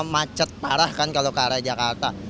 macet parah kan kalau ke arah jakarta